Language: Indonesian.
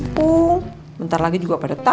pergi sampe dia